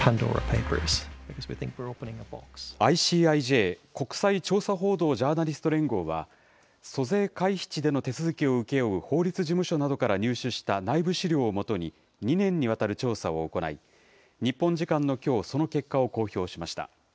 ＩＣＩＪ・国際調査報道ジャーナリスト連合は、租税回避地での手続きを請け負う法律事務所などから入手した内部資料を基に２年にわたる調査を行い、日本時間のきょう、その結果を公表しました。